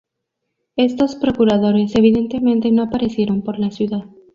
Estos procuradores evidentemente no aparecieron por la ciudad.